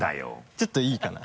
ちょっといいかな？